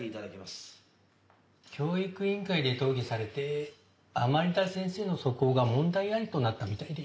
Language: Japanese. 教育委員会で討議されて甘利田先生の素行が問題ありとなったみたいで。